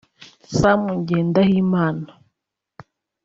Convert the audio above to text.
Sam Ngendahimana